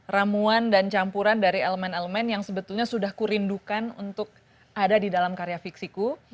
ramuan dan campuran dari elemen elemen yang sebetulnya sudah kurindukan untuk ada di dalam karya fiksiku